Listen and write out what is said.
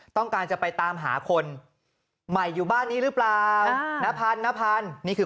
ต้องการจะไปตามหาคนใหม่อยู่บ้านนี้หรือเปล่าน้าพันธนพันธ์นี่คือ